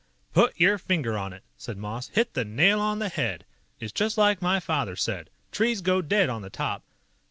"Put your finger on it," said Moss. "Hit the nail on the head. It's just like my father said: 'Trees go dead on the top.'